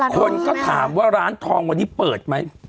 คนก็ถามว่าร้านทองวันนี้เปิดไหม